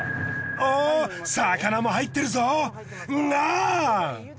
おぉ魚も入ってるぞが。